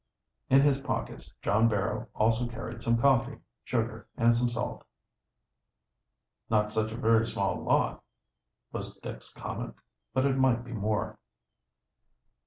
In his pockets John Barrow also carried some coffee, sugar, and some salt. "Not such a very small lot," was Dick's comment. "But it might be more."